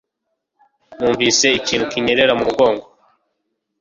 Numvise ikintu kinyerera mu mugongo.